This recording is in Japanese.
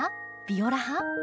ビオラ派？